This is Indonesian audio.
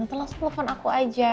tante langsung telepon aku aja